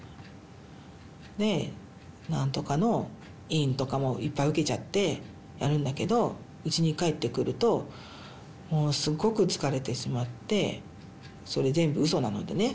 で何とかの委員とかもいっぱい受けちゃってやるんだけどうちに帰ってくるともうすごく疲れてしまってそれ全部うそなのでね。